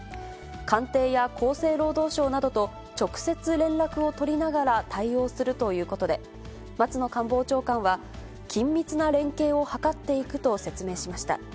官邸や厚生労働省などと直接連絡を取りながら対応するということで、松野官房長官は緊密な連携を図っていくと説明しました。